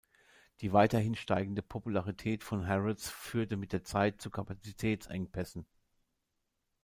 Die weiterhin steigende Popularität von Harrods führte mit der Zeit zu Kapazitätsengpässen.